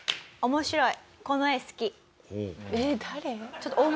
「面白い。